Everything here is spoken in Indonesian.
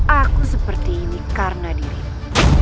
aku seperti ini karena dirimu